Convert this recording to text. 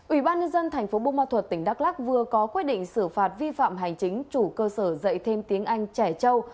ủy ban nhân dân tp bung ma thuật tỉnh đắk lắc vừa có quyết định xử phạt vi phạm hành chính chủ cơ sở dạy thêm tiếng anh trẻ trâu